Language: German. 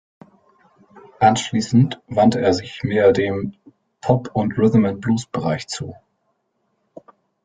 Anschließend wandte er sich mehr dem Pop- und Rhythm-and-Blues-Bereich zu.